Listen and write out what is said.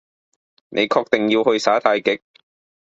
你確定要去耍太極？